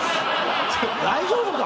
大丈夫か！？